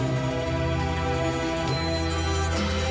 โอ้โหโอ้โหโอ้โห